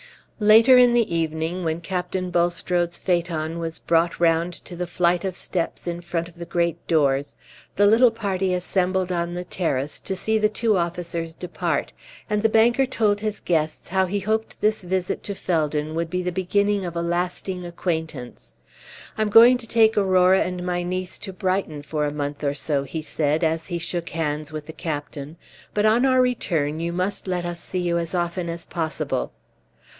Later in the evening, when Captain Bulstrode's phaeton was brought round to the flight of steps in front of the great doors, the little party assembled on the terrace to see the two officers depart, and the banker told his guests how he hoped this visit to Felden would be the beginning of a lasting acquaintance. "I am going to take Aurora and my niece to Brighton for a month or so," he said, as he shook hands with the captain, "but on our return you must let us see you as often as possible."